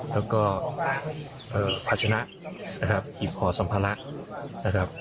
แล้วก็เอ่อพัชนะนะครับหิบห่อสัมภาระนะครับ